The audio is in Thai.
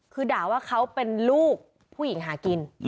คือด่าว่าเขาเป็นลูกผู้หญิงหากิน